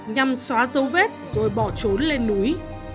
nhằm xóa dấu vết rồi bỏ trốn lên núi